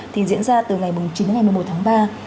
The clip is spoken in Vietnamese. thì diễn ra từ ngày chín đến ngày một mươi một tháng ba